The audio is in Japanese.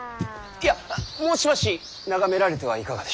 いやもうしばし眺められてはいかがでしょう。